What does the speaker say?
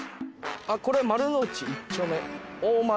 これ丸の内１丁目。